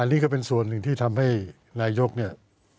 นี่ก็เป็นส่วนหนึ่งที่ทำให้นายกเนี่ย